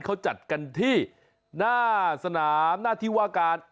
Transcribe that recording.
เขาจัดกันที่หน้าสนามหน้าที่ว่าการ